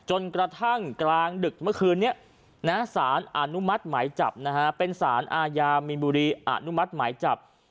จนกระทั่งกลางดึกเมื่อคืนนี้สารอนุมัติหมายจับนะฮะเป็นสารอาญามีนบุรีอนุมัติหมายจับ